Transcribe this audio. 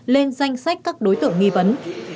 lên danh sách các đối tượng nghi vấn